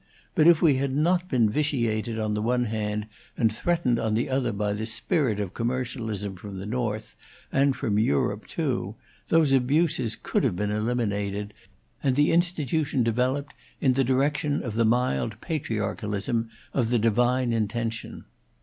But if we had not been vitiated on the one hand and threatened on the other by the spirit of commercialism from the North and from Europe, too those abuses could have been eliminated, and the institution developed in the direction of the mild patriarchalism of the divine intention."